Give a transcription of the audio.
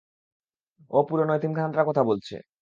ও পুরোনো এতিমখানাটার কথা বলছে।